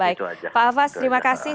baik pak hafas terima kasih